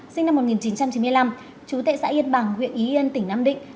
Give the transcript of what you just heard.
sinh năm một nghìn chín trăm chín mươi năm chú tệ xã yên bằng huyện ý yên tỉnh nam định